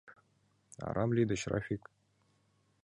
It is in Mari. — Арам лӱдыч, Рафик.